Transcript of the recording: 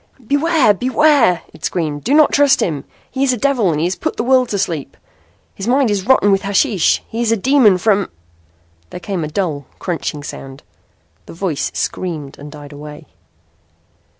"Beware! Beware!" it screamed. "Do not trust him. He is a devil and has put the world asleep. His mind is rotten with hashish. He is a demon from " Then came a dull, crunching sound. The voice screamed and died away.